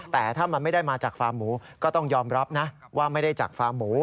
แต่ถ้ามันไม่ได้มาจากฟาร์มหมูก็ต้องยอมรับนะว่าไม่ได้จากฟาร์มหมู